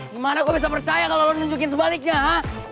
gimana gue bisa percaya kalo lo nunjukin sebaliknya ah